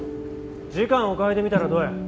時間を変えてみたらどや。